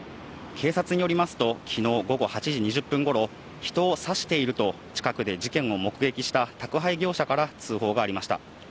警察によりますと、きのう午後８時２０分ごろ、人を刺していると、近くで事件を目撃した宅配業者から通報がありました。